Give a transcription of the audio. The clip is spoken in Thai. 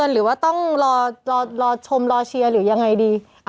หรือว่าต้องรอชมรอเชียร์หรือยังไงดี